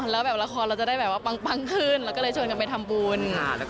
เราก็เว้ยว่าเราสวยแล้วเราตลก